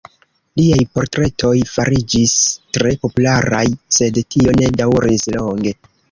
Liaj portretoj fariĝis tre popularaj, sed tio ne daŭris longe.